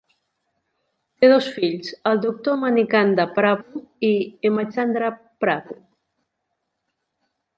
Té dos fills, el Doctor Manikanda Prabhu i Hemachandra Prabhu.